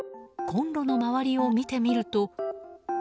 コンロの周りを見てみると。